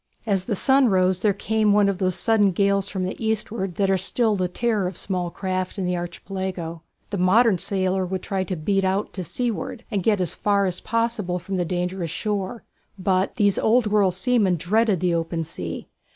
As the sun rose there came one of those sudden gales from the eastward that are still the terror of small craft in the Archipelago. A modern sailor would try to beat out to seaward and get as far as possible from the dangerous shore, but these old world seamen dreaded the open sea.